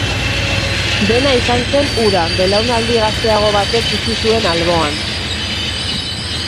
Dena izan zen hura belaunaldi gazteago batek utzi zuen alboan.